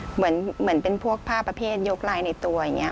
เหมือนเป็นพวกผ้าประเภทยกลายในตัวอย่างนี้